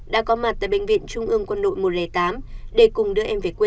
đã có mặt tại bệnh viện trung ương quân đội một trăm linh tám để cùng đưa em về quê